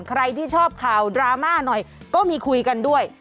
ใครที่ชอบข่าวดราม่าหน่อยก็มีคุยกันด้วย